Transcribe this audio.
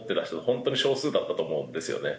本当に少数だったと思うんですよね。